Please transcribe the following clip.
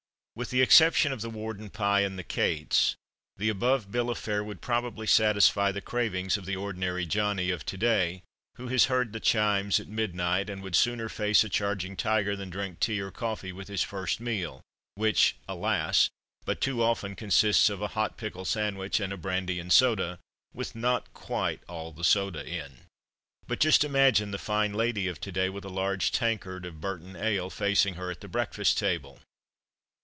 With the exception of the Wardon pie and the "cates," the above bill of fare would probably satisfy the cravings of the ordinary "Johnny" of to day, who has heard the chimes at midnight, and would sooner face a charging tiger than drink tea or coffee with his first meal, which, alas! but too often consists of a hot pickle sandwich and a "brandy and soda," with not quite all the soda in. But just imagine the fine lady of to day with a large tankard of Burton ale facing her at the breakfast table.